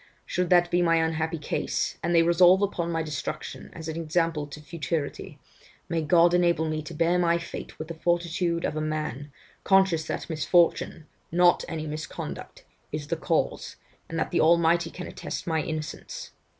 Should that be my unhappy case, and they resolved upon my destruction as an example to futurity, may God enable me to bear my fate with the fortitude of a man, conscious that misfortune, not any misconduct, is the cause, and that the Almighty can attest my innocence.